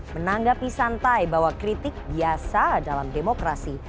menanggapi santai bahwa kritik biasa dalam demokrasi